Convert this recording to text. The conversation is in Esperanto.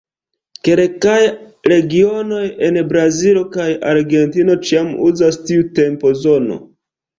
Kelkaj regionoj en Brazilo kaj Argentino ĉiam uzas tiu tempozono.